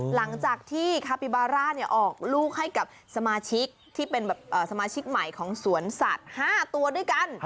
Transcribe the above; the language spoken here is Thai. หลังจากที่คาปิบาร่าออกลูกให้กับสมาชิกที่เป็นสมาชิกใหม่ของสวนสัตว์๕ตัวด้วยกัน